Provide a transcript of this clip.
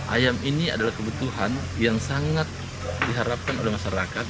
ayam ini adalah kebutuhan yang sangat diharapkan oleh masyarakat